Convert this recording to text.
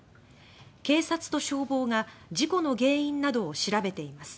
警察と消防が事故の原因などを調べています。